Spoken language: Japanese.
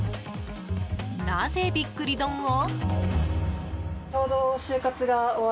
なぜ、びっくり丼を？